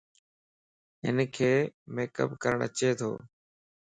ھنک ميڪ اب ڪرڻ اچي تو